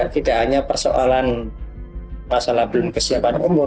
tidak hanya persoalan masalah belum kesiapan umur